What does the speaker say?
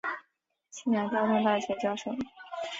西南交通大学教授。